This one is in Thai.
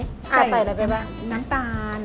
ใส่อะไรไปบ้างน้ำตาล